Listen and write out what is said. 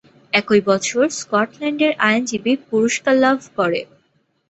একই বছর স্কটল্যান্ডের আইনজীবী পুরস্কার লাভ করে।